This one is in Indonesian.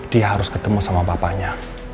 dia harus ketemu sama bapaknya